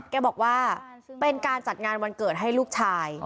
แกบอกว่าเป็นการจัดงานวันเกิดให้ลูกชาย